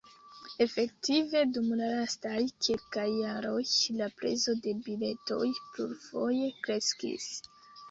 Efektive, dum la lastaj kelkaj jaroj, la prezo de biletoj plurfoje kreskis.